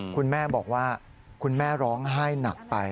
คุณแม่บอกว่าคุณแม่ร้องไห้หนักไป